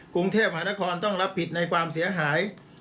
กรุงเทพหานครต้องรับผิดในความเสียหาย